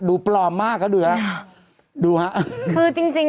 ดูปลอมมากครับดูครับดูครับคือจริงจริงอ่ะ